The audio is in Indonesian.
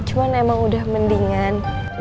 cuman emang udah mendingan